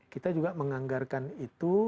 kita juga menganggarkan itu